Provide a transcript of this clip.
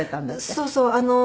そうそう。